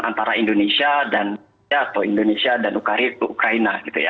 antara indonesia dan ukraina